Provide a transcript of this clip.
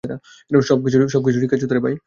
সব কিছু ঠিক আছে তো?